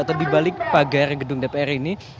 atau di balik pagar gedung dpr ini